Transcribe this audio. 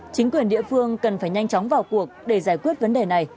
chính quyền địa phương cần phải nhanh chóng vào cuộc để giải quyết vấn đề này